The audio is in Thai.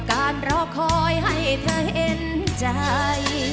รอคอยให้เธอเห็นใจ